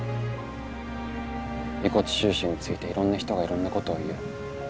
「遺骨収集についていろんな人がいろんなことを言う。